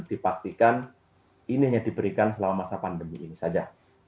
dipastikan ini hanya diberikan selama masa pandemi ini saja